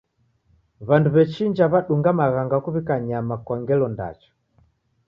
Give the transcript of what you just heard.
W'andu w'echinja w'adunga maghanga kuw'ika nyama kwa ngelo ndacha.